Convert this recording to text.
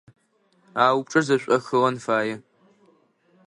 А упчIэр зэшIохыгъэн фае.